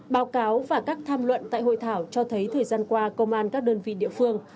báo cáo và các tham luận tại hội thảo cho thấy thời gian qua công an các đơn vị địa phương